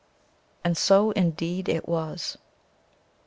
And so, indeed, it was.